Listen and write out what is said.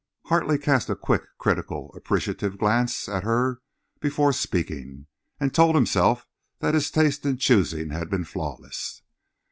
Hartley cast a quick, critical, appreciative glance at her before speaking, and told himself that his taste in choosing had been flawless.